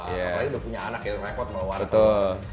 apalagi udah punya anak ya rekod meluarkan